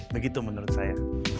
begitu menurut saya